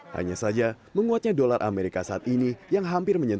hanya saja menguatnya dolar amerika saat ini yang hampir menyentuh